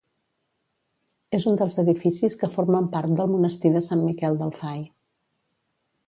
És un dels edificis que formen part del monestir de Sant Miquel del Fai.